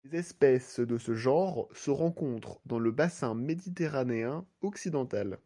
Les espèces de ce genre se rencontrent dans le bassin méditerranéen occidental.